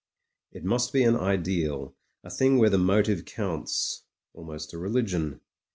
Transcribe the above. It must be an ideal, a thing where the motive counts, almost a religion.